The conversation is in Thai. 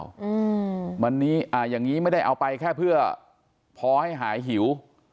อืมวันนี้อ่าอย่างงี้ไม่ได้เอาไปแค่เพื่อพอให้หายหิว